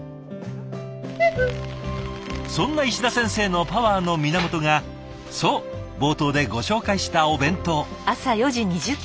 そんな石田先生のパワーの源がそう冒頭でご紹介したお弁当。